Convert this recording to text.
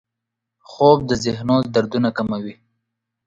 خوب د ذهنو دردونه کموي